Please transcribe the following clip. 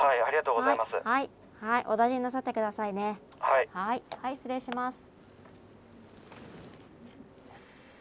はい失礼します。